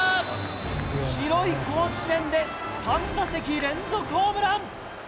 広い甲子園で３打席連続ホームラン。